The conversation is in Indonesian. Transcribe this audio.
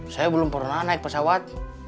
saya belum pernah naik pesawat